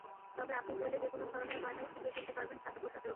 তবে আপনি চাইলে যেকোনো ধরনের গয়নাই ফুটিয়ে তুলতে পারবেন সাদা পোশাকের ওপরে।